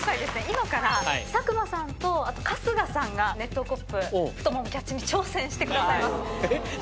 今から佐久間さんと春日さんが熱湯コップ太ももキャッチに挑戦してくださいます。